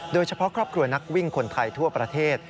โดยเฉพาะครอบครัวนักวิ่งคนไทยทั่วประเทศ